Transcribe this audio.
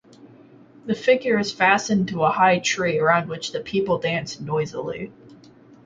The figure is fastened to a high tree around which the people dance noisily.